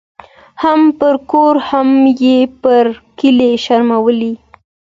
هم پر کور هم یې پر کلي شرمولې